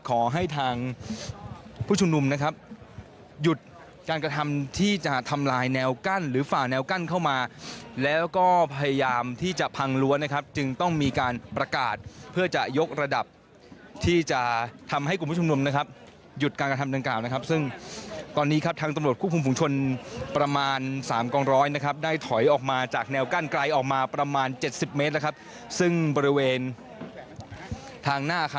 ขอให้ทางผู้ชุมนุมนะครับหยุดการกระทำที่จะทำลายแนวกั้นหรือฝ่าแนวกั้นเข้ามาแล้วก็พยายามที่จะพังรั้วนะครับจึงต้องมีการประกาศเพื่อจะยกระดับที่จะทำให้กลุ่มผู้ชุมนุมนะครับหยุดการกระทำดังกล่าวนะครับซึ่งตอนนี้ครับทางตำรวจควบคุมฝุงชนประมาณสามกองร้อยนะครับได้ถอยออกมาจากแนวกั้นไกลออกมาประมาณเจ็ดสิบเมตรแล้วครับซึ่งบริเวณทางหน้าค